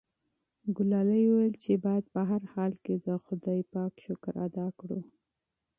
ګلالۍ وویل چې باید په هر حال کې د خدای شکر ادا کړو.